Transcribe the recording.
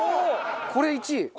これ１位。